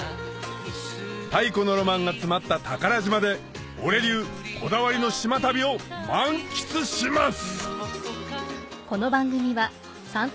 太古のロマンが詰まった宝島で俺流こだわりの島旅を満喫します！